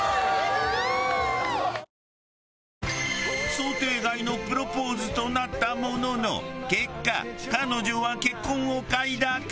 想定外のプロポーズとなったものの結果彼女は結婚を快諾。